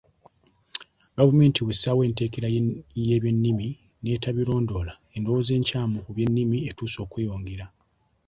"Gavumenti bw'essaawo enteekera y'ebyennimi n'etabirondoola, endowooza enkyamu ku by'ennimi etuuse okweyongera ."